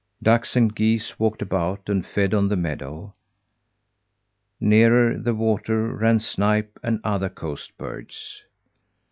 Ducks and geese walked about and fed on the meadow; nearer the water, ran snipe, and other coast birds.